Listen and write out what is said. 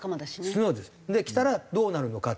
そうです。来たらどうなるのか。